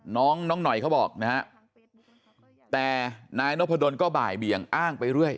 น้องน้องหน่อยเขาบอกนะฮะแต่นายนพดลก็บ่ายเบี่ยงอ้างไปเรื่อย